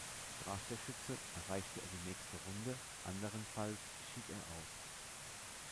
Traf der Schütze, erreichte er die nächste Runde, anderenfalls schied er aus.